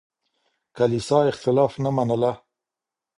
کليسا اختلاف نه منله.